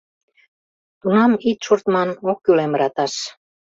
Тунам, ит шорт ман, ок кӱл эмраташ.